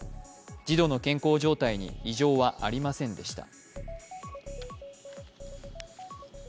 児童の健康状態に異常はありませんでした。